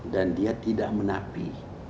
dan dia tidak menapi